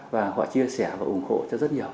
và họ chia sẻ và ủng hộ cho rất nhiều